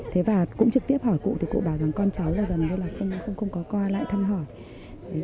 thế và cũng trực tiếp hỏi cụ thì cụ bảo rằng con cháu là gần như là không có qua lại thăm hỏi